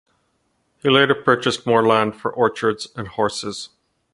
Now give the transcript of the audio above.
He later purchased more land for orchards and horses.